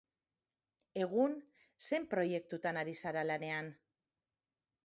Egun, zein proiektutan ari zara lanean?